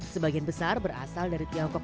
sebagian besar berasal dari tiongkok